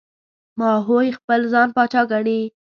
ماهوی خپل ځان پاچا ګڼي.